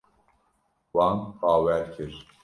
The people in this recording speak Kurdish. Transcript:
Wan bawer kir.